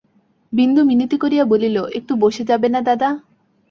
বিন্দু মিনতি করিয়া বলিল, একটু বসে যাবে না দাদা?